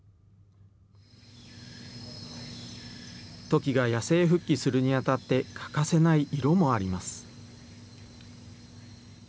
ときが野生復帰するにあたって欠かせない色もあります。